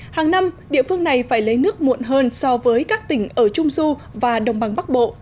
hàng năm địa phương này phải lấy nước muộn hơn so với các tỉnh ở trung du và đồng bằng bắc bộ